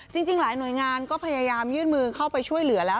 จริงหลายหน่วยงานก็พยายามยื่นมือเข้าไปช่วยเหลือแล้ว